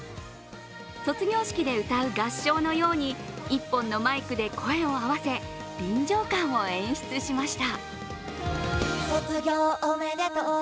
卒業式で歌う合唱のように一本のマイクで声を合わせ臨場感を演出しました。